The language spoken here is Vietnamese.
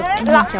mày muốn không